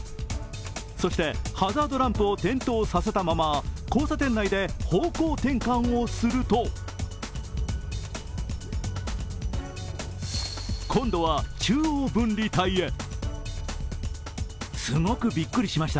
そしてハザードランプを点灯させたまま交差点内で方向転換をすると今度は中央分離帯へ。